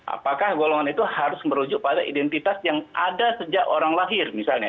apakah golongan itu harus merujuk pada identitas yang ada sejak orang lahir misalnya